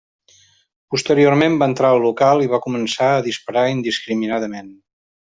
Posteriorment va entrar al local i va començar a disparar indiscriminadament.